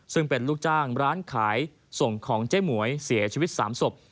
ซึ่งเป็นลูกจ้างร้านขายส่งของเจ๊หมวยเสียชีวิต๓ศพ